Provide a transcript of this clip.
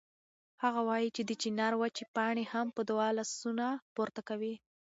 هغه وایي چې د چنار وچې پاڼې هم په دعا لاسونه پورته کوي.